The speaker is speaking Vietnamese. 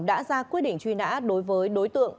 đã ra quyết định truy nã đối với đối tượng